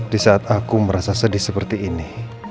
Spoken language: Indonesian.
di saat aku merasa sedih seperti ini